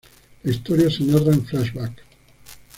La historia se narra en flashback.